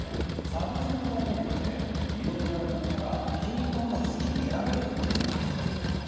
サブスクのだいご味っていろいろある中から気に入ったものを好きに選べるってとこじゃないですか。